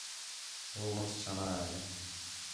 ہو مُݨس چھݨاں ہِے